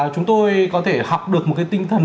chúng tôi có thể học được một cái tinh thần